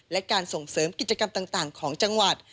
และการส่งเสริมกิจกรรมต่างของจังหวัด